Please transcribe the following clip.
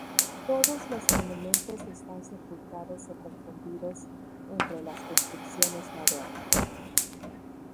Todos los monumentos están sepultados o confundidos entre las construcciones modernas.